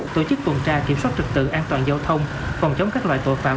tổ chức tuần tra kiểm soát trực tự an toàn giao thông phòng chống các loại tội phạm